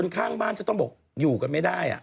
ข้างบ้านจะต้องบอกอยู่กันไม่ได้